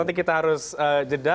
nanti kita harus jeda